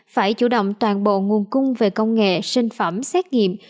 phải chủ động toàn bộ nguồn cung về công nghệ sinh phẩm xét nghiệm